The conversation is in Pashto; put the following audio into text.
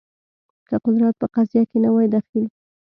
که قدرت په قضیه کې نه وای دخیل